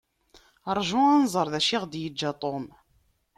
Rju ad nẓer acu i ɣ-d-yeǧǧa Tom.